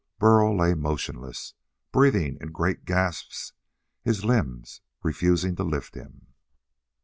Burl lay motionless, breathing in great gasps, his limbs refusing to lift him.